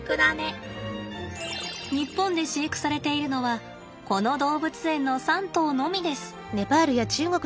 日本で飼育されているのはこの動物園の３頭のみです。